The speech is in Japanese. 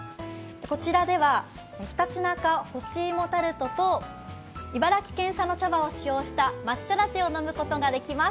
こちらではひたちなか干し芋タルトと茨城県産の茶葉を使用した抹茶ラテを飲むことができます。